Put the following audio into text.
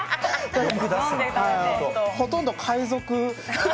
ほとんど海賊。